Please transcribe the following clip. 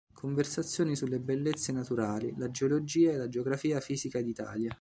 Conversazioni sulle bellezze naturali, la geologia e la geografia fisica d'Italia.